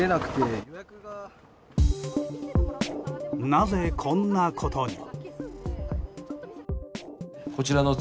なぜ、こんなことに。